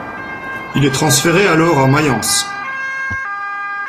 Il est transféré alors à Mayence.